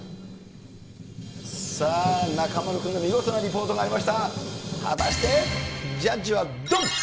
さあ、中丸君の見事なリポートがありましたが、果たして、ジャッジはどん。